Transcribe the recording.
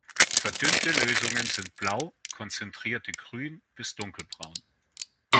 Verdünnte Lösungen sind blau, konzentrierte grün bis dunkelbraun.